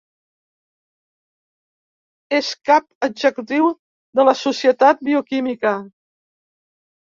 És cap executiu de la Societat Bioquímica.